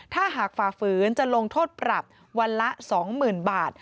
ถ้าหากฝ่าฝืนจะลงโทษปรับวันละ๒๐๐๐บาท